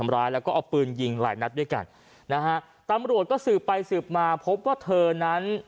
ร้ายแล้วก็เอาปืนยิงหลายนัดด้วยกันนะฮะตำรวจก็สืบไปสืบมาพบว่าเธอนั้น